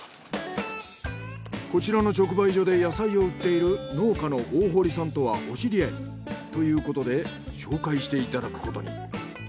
こちらの直売所で野菜を売っている農家の大堀さんとはお知り合い。ということで紹介して頂くことに。